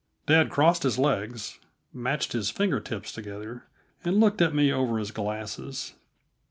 Dad crossed his legs, matched his finger tips together, and looked at me over his glasses.